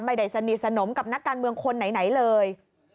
ไม่ได้สนิทสนมกับนักการเมืองคนไหนเลย